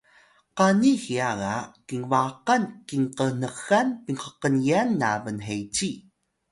qani hiya ga kinbaqan kinqnxan pinhkngyan na bnheci